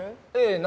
ええ。